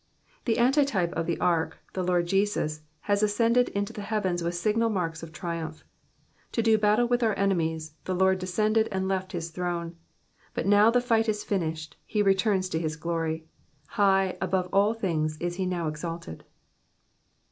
The antitype of the ark, the Lord Jesus, has ascended into the heavens with signal marks of triumph. To do battle with our enemies, the Lord descended and left bis throne ; but now the fight is finished, he returns to his glory ; high above all things is he now exalted.